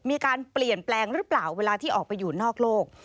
มีการเปลี่ยนแปลงหรือเปล่าเวลาที่ออกไปอยู่นอกโลก